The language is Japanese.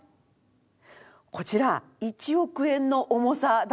こちら１億円の重さだそうです。